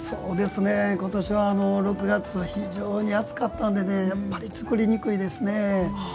ことしは６月非常に暑かったんでやっぱり、作りにくいですね。